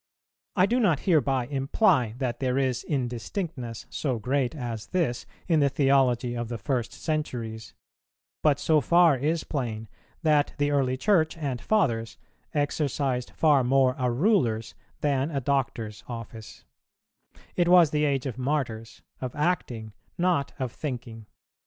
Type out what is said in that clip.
I do not hereby imply that there is indistinctness so great as this in the theology of the first centuries; but so far is plain, that the early Church and Fathers exercised far more a ruler's than a doctor's office: it was the age of Martyrs, of acting not of thinking.